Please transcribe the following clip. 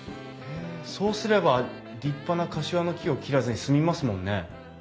そうすれば立派なカシワの木を切らずに済みますもんね。